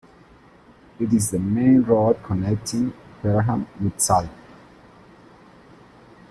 It is the main road connecting Pelham with Salem.